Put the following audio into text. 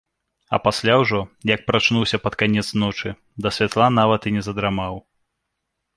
А пасля ўжо, як прачнуўся пад канец ночы, да святла нават і не задрамаў.